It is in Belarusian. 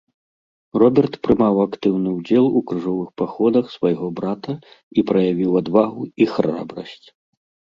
Роберт прымаў актыўны ўдзел у крыжовых паходах свайго брата і праявіў адвагу і храбрасць.